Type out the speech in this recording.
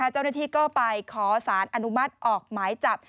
เจ้าหน้าที่ก็ไปขอสารอนุมัติออกหมายจับ